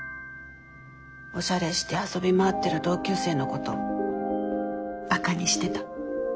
おしゃれして遊び回ってる同級生のことバカにしてた。